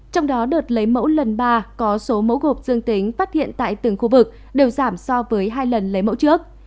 trong đó đợt lấy mẫu lần ba có số mẫu gộp dương tính phát hiện tại từng khu vực đều giảm so với hai lần lấy mẫu trước